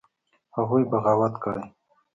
هغوى بغاوت کړى.